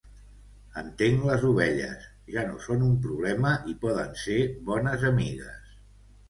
Entenc les ovelles; ja no són un problema i poden ser bones amigues.